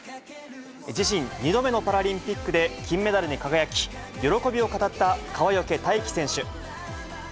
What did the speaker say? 自身２度目のパラリンピックで、金メダルに輝き、喜びを語った川除大輝選手。